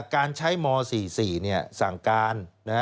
การใช้ม๔๔สั่งการ